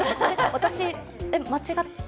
私、間違って。